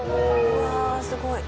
うわすごい。